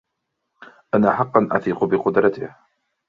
أنا حقاً أثق بقدرته.